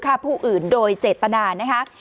อาจจะมีผู้อื่นโดยเจตนานะคะ